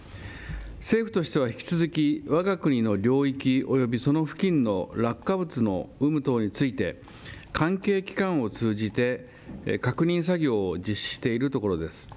政府としては引き続き、わが国の領域およびその付近の落下物の有無等について、関係機関を通じて確認作業を実施しているところです。